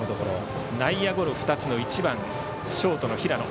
内野ゴロ２つの１番ショートの平野。